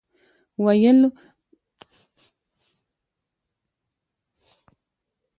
ويې ويل خير دى نبض به يې زه وګورم.